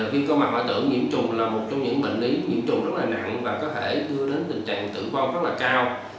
viêm cân mạc hoại tử nhiễm trùng là một trong những bệnh lý nhiễm trùng rất nặng và có thể đưa đến tình trạng tử vong rất cao